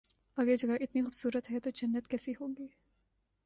اگر یہ جگہ اتنی خوب صورت ہے تو جنت کیسی ہو گی